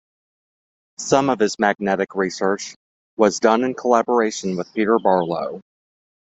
Some of his magnetic research was done in collaboration with Peter Barlow.